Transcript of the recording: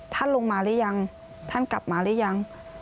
ท่านลงมาหรือยังท่านกลับมาหรือยัง